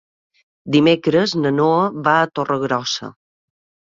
Dimecres na Noa va a Torregrossa.